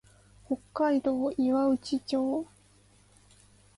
北海道岩内町